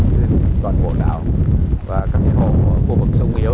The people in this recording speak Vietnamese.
trên toàn bộ đảo và các hộ khu vực sông nghĩa